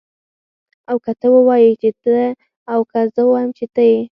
او که ته ووايي چې ته او که زه ووایم چه ته يې